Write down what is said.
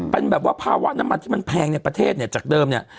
เป็นแบบว่าภาวะน้ำมันที่มันแพงในประเทศเนี่ยจากเดิมเนี่ย